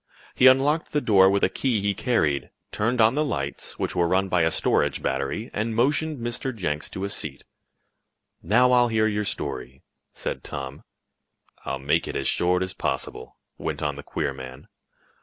He unlocked the door with a key he carried, turned on the lights, which were run by a storage battery, and motioned Mr. Jenks to a seat. "Now I'll hear your story," said Tom. "I'll make it as short as possible," went on the queer man.